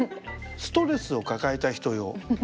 ストレスを抱えた人用。